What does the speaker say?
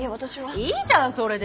いいじゃんそれで。